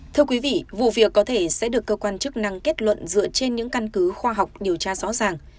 thưa quý vị vụ việc có thể sẽ được cơ quan chức năng kết luận dựa trên những căn cứ khoa học điều tra rõ ràng